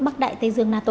bắc đại tây dương nato